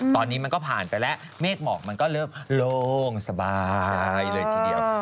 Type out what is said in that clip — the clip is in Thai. ตอนนี้มันก็ผ่านไปแล้วเมฆหมอกมันก็เริ่มโล่งสบายเลยทีเดียว